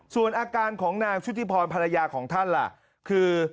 ส่วนอาการของนางชุติพรภรรยาของท่านล่ะคือ